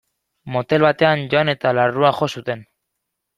Motel batean joan eta larrua jo zuten.